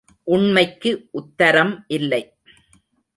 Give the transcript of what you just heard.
உண்மைக்கு உத்தரம் இல்லை.